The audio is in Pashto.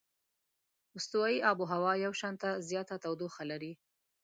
استوایي آب هوا یو شانته زیاته تودوخه لري.